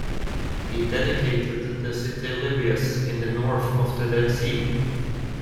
He dedicated the city Livias in the north of the Dead Sea.